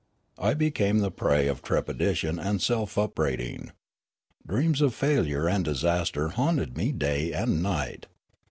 I became the prey of trepidation and self upbraiding. Dreams of failure and disaster haunted me day and night.